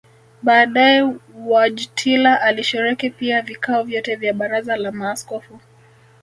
Baadae Wojtyla alishiriki pia vikao vyote vya baraza la maaskofu